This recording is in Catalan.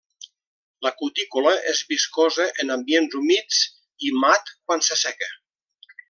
La cutícula és viscosa en ambients humits, i mat quan s'asseca.